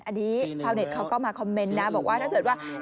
อันนี้ชาวเน็ตเขาก็มาคอมเมนต์นะบอกว่าถ้าเกิดว่า